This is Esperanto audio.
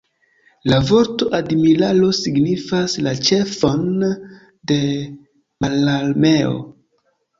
La vorto "admiralo" signifas la ĉefon de mararmeo.